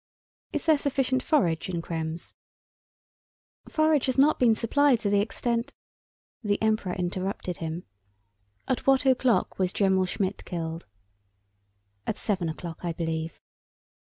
"Is there sufficient forage in Krems?" "Forage has not been supplied to the extent..." The Emperor interrupted him. "At what o'clock was General Schmidt killed?" "At seven o'clock, I believe."